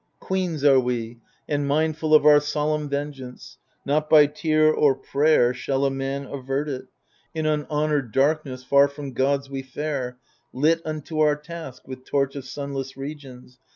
Queens are we and mindful of our solemn vengeance : Not by tear or prayer Shall a man avert it. In unhonoured darkness, Far from gods, we fare, Lit unto our task with torch of sunless regions.